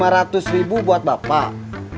rp lima ratus ribu buat bapak